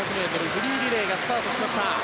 フリーリレーがスタートしました。